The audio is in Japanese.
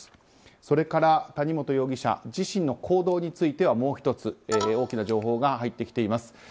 それから、谷本容疑者自身の行動についてはもう１つ大きな情報が入ってきています。